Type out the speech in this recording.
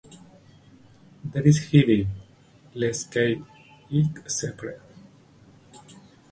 There Is a Heaven, Let's Keep It a Secret".